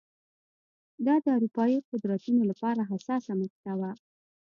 دا د اروپايي قدرتونو لپاره حساسه مقطعه وه.